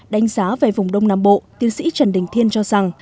đánh giá về vùng đông nam bộ tiến sĩ trần đình thiên cho rằng